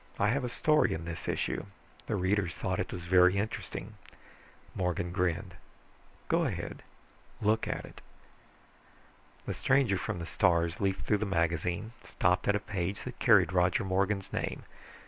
I have a story in this issue. The readers thought it was very interesting," Morgan grinned. "Go ahead, look at it." The stranger from the stars leafed through the magazine, stopped at a page that carried Roger Morgan's name.